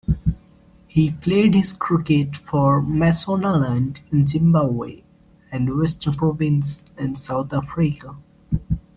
He played his cricket for Mashonaland in Zimbabwe and Western Province in South Africa.